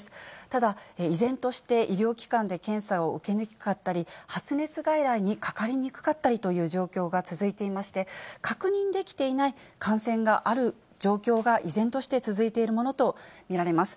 ただ、依然として医療機関で検査を受けにくかったり、発熱外来にかかりにくかったりという状況が続いていまして、確認できていない感染がある状況が、依然として続いているものと見られます。